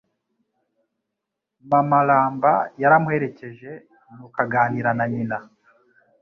Mama Ramba yaramuherekeje nuko aganira na Nyina